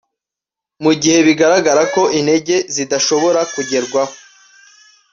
mugihe bigaragara ko intego zidashobora kugerwaho